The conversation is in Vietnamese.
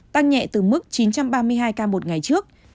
tăng nhẹ từ mức chín trăm ba mươi hai ca một ngày trước